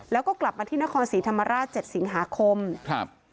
แล้วก็กลับมาที่นครศรีธรรมราชเจ็ดสิงหาคมครับ